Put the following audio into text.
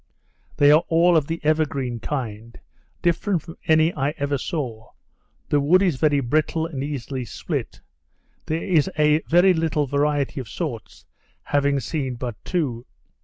They are all of the evergreen kind, different from any I ever saw; the wood is very brittle, and easily split; there is a very little variety of sorts, having seen but two.